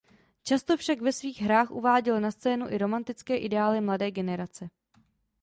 Často však ve svých hrách uváděl na scénu i romantické ideály mladé genrace.